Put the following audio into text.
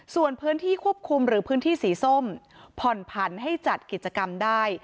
ส่วนพื้นที่ควบคุมหรือพื้นที่สีส้มผ่อนผันให้จัดกิจกรรมได้